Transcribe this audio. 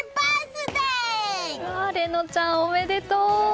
玲乃ちゃん、おめでとう！